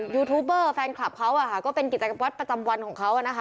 ยูทูบเบอร์แฟนคลับเขาอ่ะค่ะก็เป็นกิจกรรมวัดประจำวันของเขาอ่ะนะคะ